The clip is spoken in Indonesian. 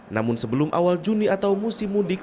namun sebelum awal juni atau musim mudik